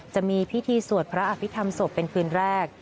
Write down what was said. จะมีพิธีสวดพระอภิษฐรรมศพเป็นคืนแรก